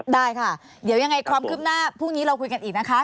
ได้ค่ะเดี๋ยวยังไงความคืบหน้าพรุ่งนี้เราคุยกันอีกนะคะ